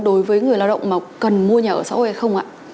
đối với người lao động mà cần mua nhà ở xã hội hay không ạ